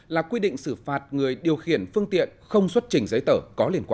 là quy định xử phạt người điều khiển phương tiện không xuất trình giấy tờ có liên quan